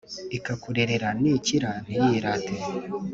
ikakurerera Ni ikira ntiyirate